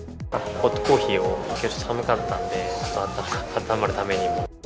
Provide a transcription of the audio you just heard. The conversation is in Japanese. ホットコーヒーを、きょうちょっと寒かったんで、温まるためにも。